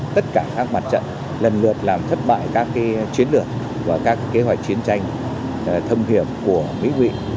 tất cả các mặt trận lần lượt làm thất bại các chiến lược và các kế hoạch chiến tranh thâm hiểm của mỹ vị